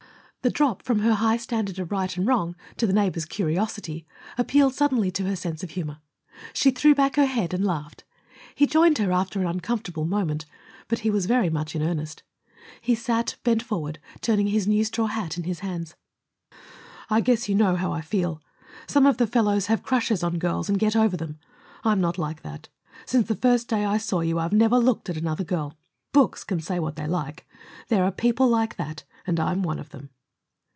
The drop from her high standard of right and wrong to the neighbors' curiosity appealed suddenly to her sense of humor. She threw back her head and laughed. He joined her, after an uncomfortable moment. But he was very much in earnest. He sat, bent forward, turning his new straw hat in his hands. "I guess you know how I feel. Some of the fellows have crushes on girls and get over them. I'm not like that. Since the first day I saw you I've never looked at another girl. Books can say what they like: there are people like that, and I'm one of them."